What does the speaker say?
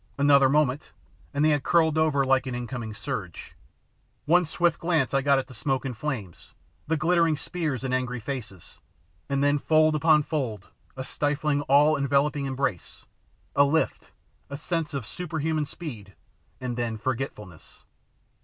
Another moment and they had curled over like an incoming surge. One swift glance I got at the smoke and flames, the glittering spears and angry faces, and then fold upon fold, a stifling, all enveloping embrace, a lift, a sense of super human speed and then forgetfulness.